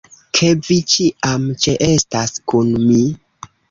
... ke vi ĉiam ĉeestas kun mi!